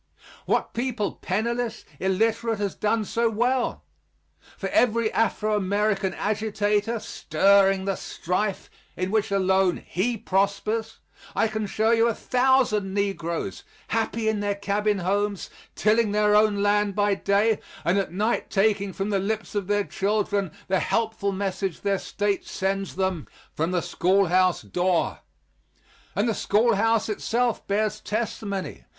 What people, penniless, illiterate, has done so well? For every Afro American agitator, stirring the strife in which alone he prospers, I can show you a thousand negroes, happy in their cabin homes, tilling their own land by day, and at night taking from the lips of their children the helpful message their State sends them from the schoolhouse door. And the schoolhouse itself bears testimony.